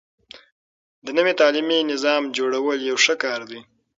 د نوي تعليمي نظام جوړول يو ښه کار دی.